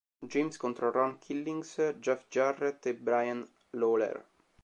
James contro Ron Killings, Jeff Jarrett e Brian Lawler.